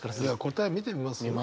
答え見てみます？